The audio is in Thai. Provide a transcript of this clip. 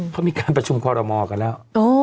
เขามีการประชุมคอรมอลกันแล้ว